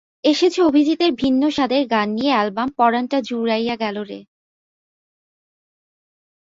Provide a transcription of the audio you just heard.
এসেছে অভিজিতের ভিন্ন স্বাদের গান নিয়ে অ্যালবাম পরানটা জুড়াইয়া গেল রে।